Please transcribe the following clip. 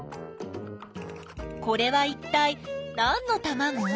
これはいったいなんのたまご？